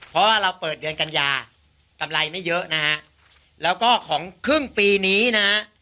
เพราะว่าเราเปิดเดือนกันยากำไรไม่เยอะนะฮะแล้วก็ของครึ่งปีนี้นะฮะ